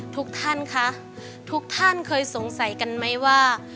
ทุกท่านคะทุกท่านเคยสงสัยกันไหมว่า